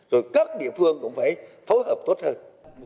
rồi các địa phương cũng phải phối hợp tốt hơn